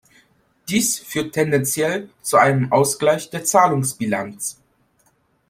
Dies führt tendenziell zu einem Ausgleich der Zahlungsbilanz.